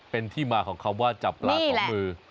เป็นที่มาของคำว่าจับปลาสองมือ